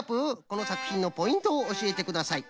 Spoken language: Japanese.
このさくひんのポイントをおしえてください。